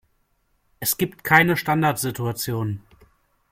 Es gibt keine Standardsituation.